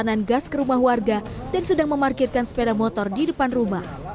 perjalanan gas ke rumah warga dan sedang memarkirkan sepeda motor di depan rumah